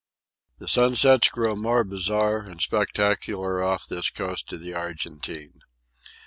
The sunsets grow more bizarre and spectacular off this coast of the Argentine.